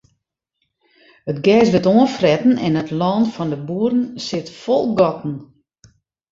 It gers wurdt oanfretten en it lân fan de boeren sit fol gatten.